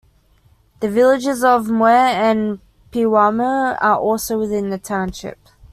The villages of Muir and Pewamo are also within the township.